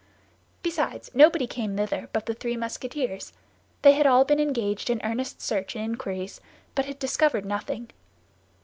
Besides, nobody came thither but the three Musketeers; they had all been engaged in earnest search and inquiries, but had discovered nothing.